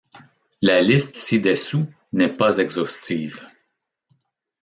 La liste ci-dessous n'est pas exhaustive.